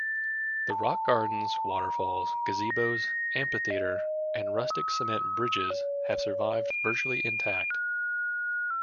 The rock gardens, waterfalls, gazebos, amphitheater and rustic cement bridges have survived virtually intact.